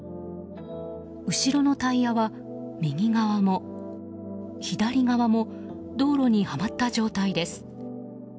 後ろのタイヤは右側も左側も道路にはまった状態です。